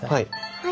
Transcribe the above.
はい。